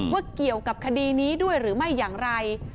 ว่าเกี่ยวกับคดีนี้ด้วยหรือไม่อย่างไร